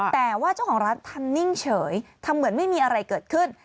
แต่ว่าเจ้าของร้านทำนิ่งเฉยทำเหมือนไม่มีอะไรเกิดขึ้น